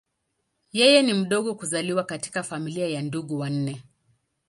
Yeye ni mdogo kuzaliwa katika familia ya ndugu wanne.